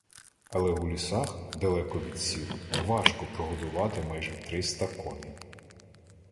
Але у лісах, далеко від сіл, важко прогодувати майже триста коней.